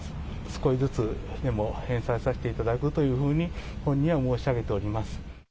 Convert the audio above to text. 少しずつでも返済させていただくというふうに本人は申し上げております。